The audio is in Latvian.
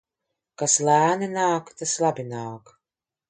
Kas lēni nāk, tas labi nāk.